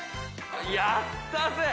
やったぜ！